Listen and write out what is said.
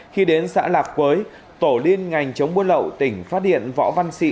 khi đến xã lạc quới tổ liên ngành chống mua lậu tỉnh phát điện võ văn sị